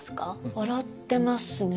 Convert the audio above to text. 笑ってますね。